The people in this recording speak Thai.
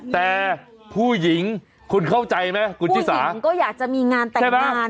แต่ผู้หญิงคุณเข้าใจไหมคุณชิสามันก็อยากจะมีงานแต่งงาน